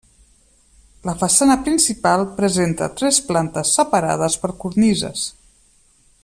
La façana principal presenta tres plantes separades per cornises.